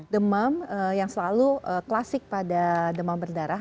demam yang selalu klasik pada demam berdarah